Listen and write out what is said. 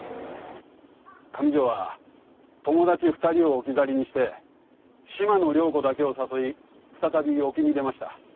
上条は友達２人を置き去りにして島野涼子だけを誘い再び沖に出ました。